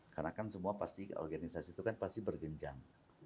karena kan semua pasti organisasi itu kan pasti berjenjang